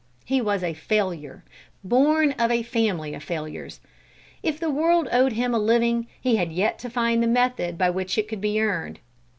He was a failure, born of a family of failures. If the world owed him a living, he had yet to find the method by which it could be earned.